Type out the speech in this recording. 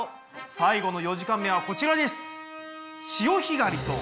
最後の４時間目はこちらです。